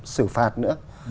sử phạt nữa